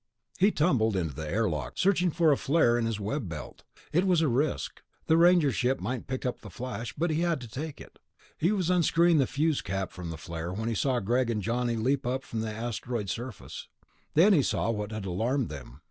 He tumbled into the airlock, searching for a flare in his web belt. It was a risk ... the Ranger ship might pick up the flash ... but he had to take it. He was unscrewing the fuse cap from the flare when he saw Greg and Johnny leap up from the asteroid surface. Then he saw what had alarmed them.